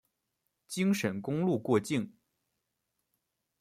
京沈公路过境。